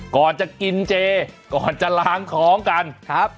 ก่อนจะกินเจก่อนจะล้างท้องกันครับ